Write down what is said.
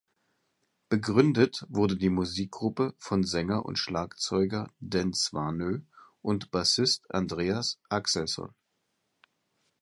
Begründet wurde die Musikgruppe von Sänger und Schlagzeuger Dan Swanö und Bassist Andreas Axelsson.